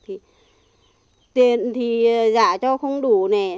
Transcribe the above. tiền thì giả cho không đủ nè